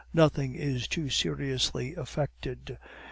Nothing is too seriously affected.